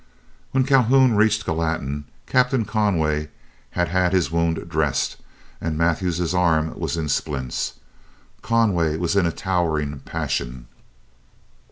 When Calhoun reached Gallatin, Captain Conway had had his wound dressed, and Mathews's arm was in splints. Conway was in a towering passion.